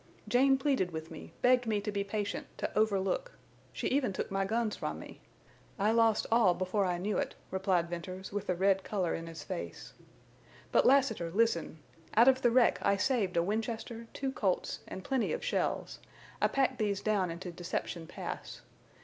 "Jane pleaded with me, begged me to be patient, to overlook. She even took my guns from me. I lost all before I knew it," replied Venters, with the red color in his face. "But, Lassiter, listen. Out of the wreck I saved a Winchester, two Colts, and plenty of shells. I packed these down into Deception Pass.